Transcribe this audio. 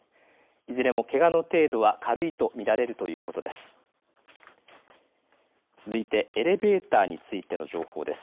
いずれもけがの程度は軽いと見られるということです。